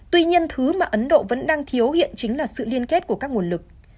tuy nhiên thứ mà ấn độ vẫn đang thiếu hiện chính là sự liên kết của các nguồn lực